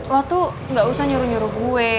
lo tuh gak usah nyuruh nyuruh gue